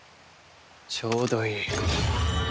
ちょうどいい。